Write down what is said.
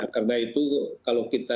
karena itu kalau kita